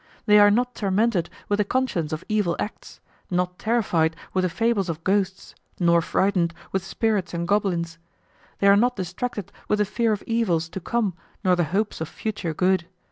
They are not tormented with the conscience of evil acts, not terrified with the fables of ghosts, nor frightened with spirits and goblins. They are not distracted with the fear of evils to come nor the hopes of future good.